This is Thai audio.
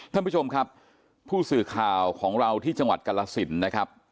ท่านผู้ชมครับผู้สื่อข่าวของเราที่จังหวัดกรสินนะครับ